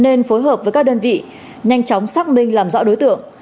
nên phối hợp với các đơn vị nhanh chóng xác minh làm rõ đối tượng